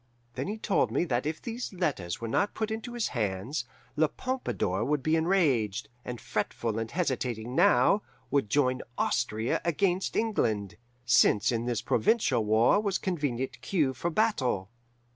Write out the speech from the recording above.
Then he told me that if those letters were not put into his hands, La Pompadour would be enraged, and fretful and hesitating now, would join Austria against England, since in this provincial war was convenient cue for battle.